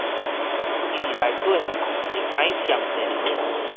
伊佇內底，你共伊喊一下